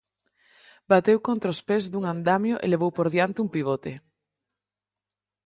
Bateu contra os pés dun andamio e levou por diante un pivote.